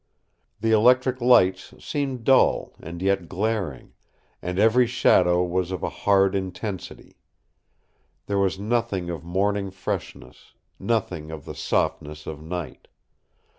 The electric lights seemed dull and yet glaring; and every shadow was of a hard intensity. There was nothing of morning freshness; nothing of the softness of night.